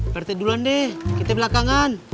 partai duluan deh kita belakangan